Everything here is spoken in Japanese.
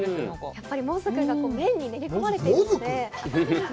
やっぱり、もずくが麺に練り込まれているので。